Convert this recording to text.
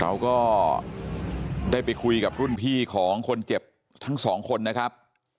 เราก็ได้ไปคุยกับรุ่นพี่ของคนเจ็บทั้งสองคนนะครับ